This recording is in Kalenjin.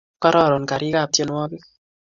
kororon karikab tienwogik